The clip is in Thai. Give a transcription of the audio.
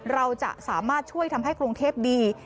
เราจะสามารถช่วยทำให้กรุงเทพดี